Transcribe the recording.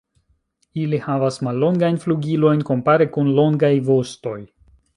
Ili havas mallongajn flugilojn kompare kun longaj vostoj.